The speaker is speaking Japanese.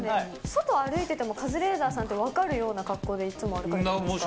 外歩いてても、カズレーザーさんって分かるような格好でいつも歩かれてるんですか？